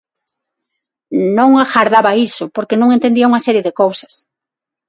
Non agardaba iso, porque non entendía unha serie de cousas.